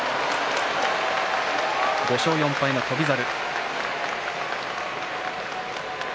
５勝４敗の翔猿。